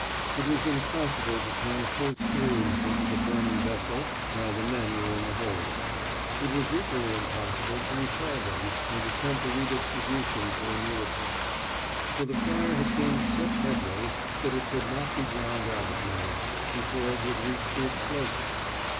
It was impossible to turn a full stream into the burning vessel while the men were in the hold. It was equally impossible to recall them and attempt a redistribution for a new attack; for the fire had gained such headway that it could not be drowned out, now, before it would reach the explosives.